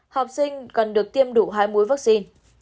học sinh cần được tiêm đủ hai mũi vaccine